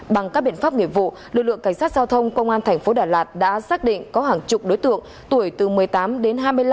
bằng các biện pháp nghiệp vụ lực lượng cảnh sát giao thông công an thành phố đà lạt đã xác định có hàng chục đối tượng tuổi từ một mươi tám đến hai mươi năm